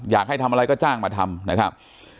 อยากให้ทำอะไรก็จ้างมาทำนะครับ